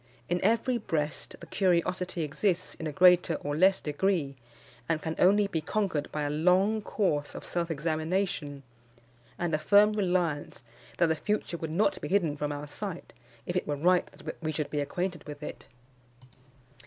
In every breast the curiosity exists in a greater or less degree, and can only be conquered by a long course of self examination, and a firm reliance that the future would not be hidden from our sight, if it were right that we should be acquainted with it.